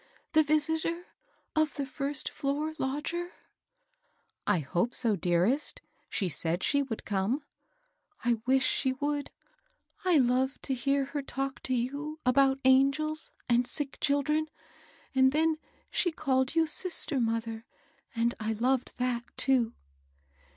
— the visitor of the first floor lodger ?"" I hope so, dearest. She said she would come." *' I wish she would. I love to hear her talk to you about angels and sick children ; and then she called you * sister mother,' and I loved that, too."